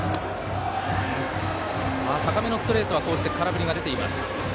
高めのストレートはこうして空振りが出ています。